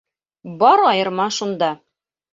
Бар айырма шунда.